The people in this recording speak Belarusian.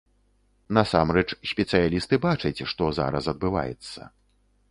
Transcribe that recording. Насамрэч спецыялісты бачаць, што зараз адбываецца.